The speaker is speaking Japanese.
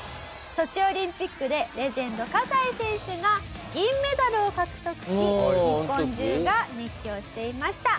ソチオリンピックでレジェンド西選手が銀メダルを獲得し日本中が熱狂していました。